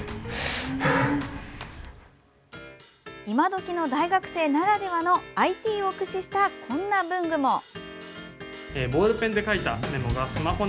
今どきの大学生ならではのＩＴを駆使した、こんな文具も。